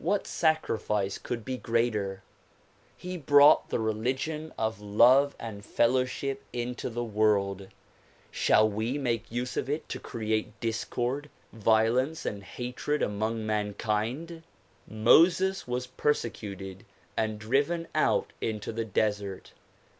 What sacrifice could be greater? He brought the religion of love and fellowship into the world. Shall we make use of it to create discord, violence and hatred among mankind? Moses was persecuted and driven out into the desert.